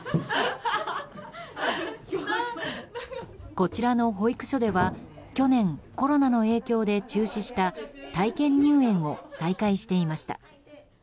こちらの保健所では去年、コロナの影響で中止した体験入園を再開していました。